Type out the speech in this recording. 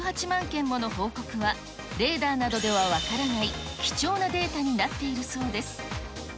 件もの報告は、レーダーなどでは分からない貴重なデータになっているそうです。